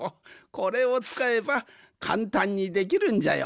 これをつかえばかんたんにできるんじゃよ。